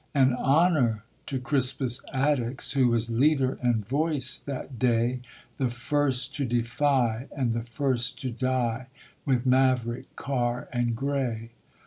And honor to Crispus Attucks, who was leader and voice that day; The first to defy, and the first to die, with Maverick, Carr, and Gray.